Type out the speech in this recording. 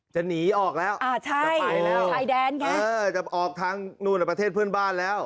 จะหนีออกแล้วอ่าใช่แล้วชายแดนค่ะเออจะออกทางนู่นประเทศเพื่อนบ้านแล้ว